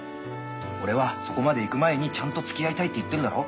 俺はそこまで行く前にちゃんとつきあいたいって言ってるだろ？